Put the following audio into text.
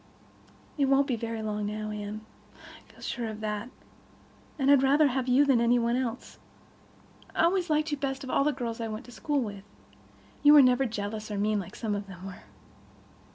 "It—it won't be very long now, Anne. I feel sure of that. And I'd rather have you than any one else. I always liked you best of all the girls I went to school with. You were never jealous, or mean, like some of them were.